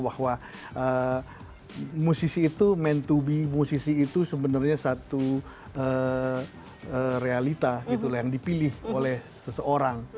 bahwa musisi itu man to be musisi itu sebenarnya satu realita gitu lah yang dipilih oleh seseorang